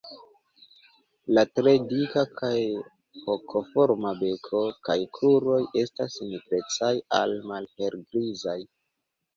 La tre dika kaj hokoforma beko kaj kruroj estas nigrecaj al malhelgrizaj.